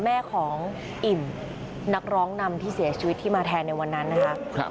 แม่ของอิ่มนักร้องนำที่เสียชีวิตที่มาแทนในวันนั้นนะคะ